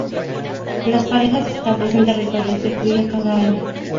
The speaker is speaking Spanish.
Las parejas establecen territorios de cría cada año.